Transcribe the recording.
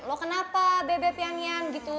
lo kenapa bebep yang ian gitu